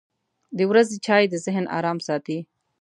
• د ورځې چای د ذهن ارام ساتي.